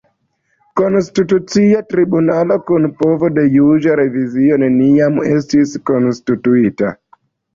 Konstitucia Tribunalo kun povo de juĝa revizio neniam estis konstituita.